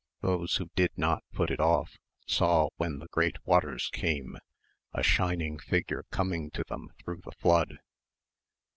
Those who did not put it off saw when the great waters came, a shining figure coming to them through the flood....